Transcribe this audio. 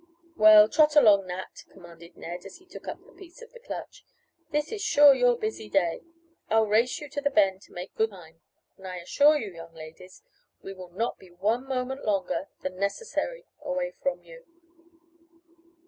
"Well, trot along Nat," commanded Ned, as he took up the piece of the clutch. "This is sure your busy day. I'll race you to the bend to make good time, and I assure you, young ladies, we will not be one moment longer than necessary away from you."